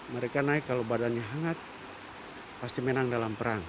mereka naik kalau badannya hangat pasti menang dalam perang